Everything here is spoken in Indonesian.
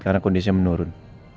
karena kondisi dia menurun